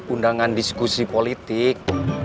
undangan diskusi politik